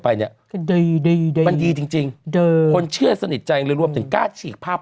ไปเนี่ยมันดีจริงคนเชื่อสนิทใจรวมถึงกล้าฉีกภาพ